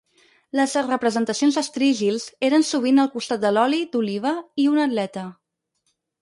Les representacions d'estrígils eren sovint al costat de l'oli d'oliva i un atleta.